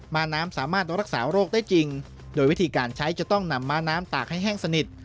ม้าน้ำสามารถรักษาโรคได้จริงโดยวิธีการใช้จะต้องนำม้าน้ำตากให้แห้งสนิท